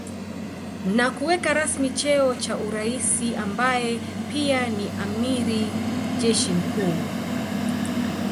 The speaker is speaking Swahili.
Na kuweka rasmi cheo cha uraisi ambaye pia ni amiri jeshi mkuu